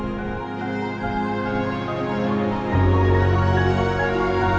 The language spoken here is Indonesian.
assalamualaikum warahmatullahi wabarakatuh